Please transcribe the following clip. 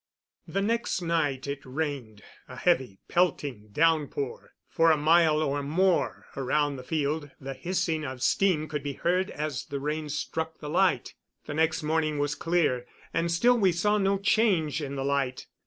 The next night it rained a heavy, pelting downpour. For a mile or more around the field the hissing of steam could be heard as the rain struck the light. The next morning was clear, and still we saw no change in the light.